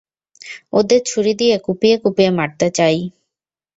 ওদের ছুরি দিয়ে কুপিয়ে কুপিয়ে মারতে চাই।